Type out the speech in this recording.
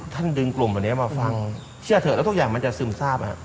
ดึงกลุ่มเหล่านี้มาฟังเชื่อเถอะแล้วทุกอย่างมันจะซึมทราบ